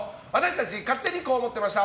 勝手にこう思ってました！